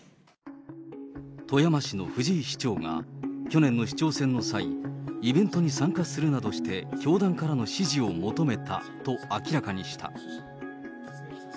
富山市の藤井市長が、去年の市長選の際、イベントに参加するなどして教団からの支持を求めたと明らかにした。